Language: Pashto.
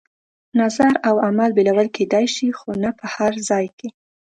نظر او عمل بېلولو کېدای شي، خو نه په هر ځای کې.